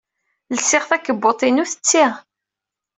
Lsiɣ takebbuḍt-inu tetti.